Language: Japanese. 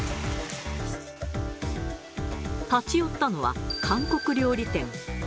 立ち寄ったのは、韓国料理店。